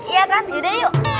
iya kan gede yuk